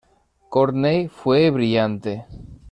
Courteney fue brillante.